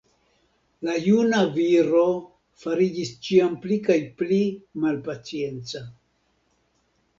La juna viro fariĝis ĉiam pli kaj pli malpacienca.